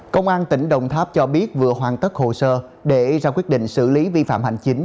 công an tỉnh đồng tháp cho biết vừa hoàn tất hồ sơ để ra quyết định xử lý vi phạm hành chính